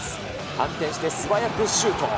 反転して素早くシュート。